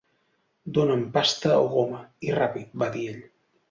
"Dona"m pasta o goma, i ràpid", va dir ell.